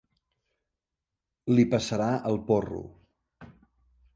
Li passarà el porro.